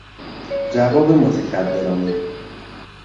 جواب متکبرانه